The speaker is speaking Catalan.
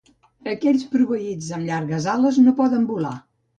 Aquells proveïts amb llargues ales no poden volar.